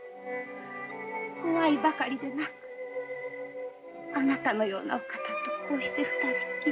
怖いばかりでなくあなたのようなお方とこうして２人っきり。